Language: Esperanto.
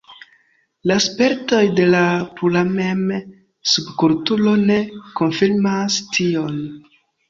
La spertoj de la pluramem-subkulturo ne konfirmas tion.